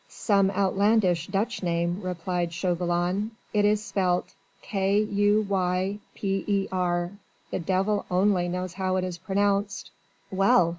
"Some outlandish Dutch name," replied Chauvelin. "It is spelt K U Y P E R. The devil only knows how it is pronounced." "Well!